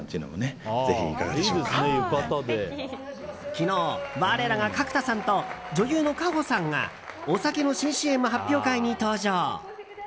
昨日、我らが角田さんと女優の夏帆さんがお酒の新ＣＭ発表会に登場。